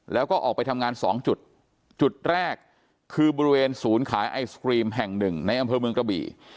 แล้วก็ออกไปทำงานสองจุดจุดแรกคือบริเวณศูนย์ขายไอศกรีมแห่งหนึ่งในอำเภอเมืองกระบี่